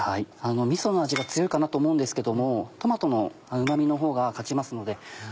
みその味が強いかなと思うんですけどもトマトのうま味のほうが勝ちますので。